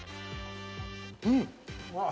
うん！